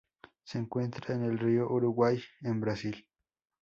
Se encuentra en el río Uruguay en Brasil.